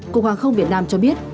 cục hoàng không việt nam cho biết